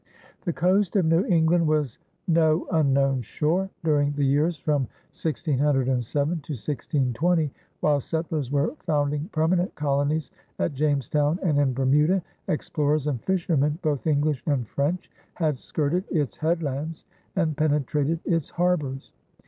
The coast of New England was no unknown shore. During the years from 1607 to 1620, while settlers were founding permanent colonies at Jamestown and in Bermuda, explorers and fishermen, both English and French, had skirted its headlands and penetrated its harbors.